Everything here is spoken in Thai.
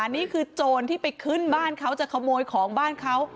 นี่คือโจรที่ไปขึ้นบ้านเขาจะขโมยของบ้านเขา